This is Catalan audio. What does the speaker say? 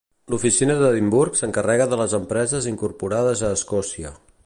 L'oficina d'Edimburg s'encarrega de les empreses incorporades a Escòcia.